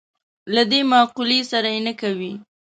له دې مقولې سره یې نه کوي.